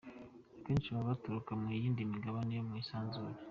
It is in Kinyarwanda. Kenshi baba baturuka ku yindi migabane yo mu isanzure.